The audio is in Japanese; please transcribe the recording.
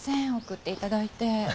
送っていただいて。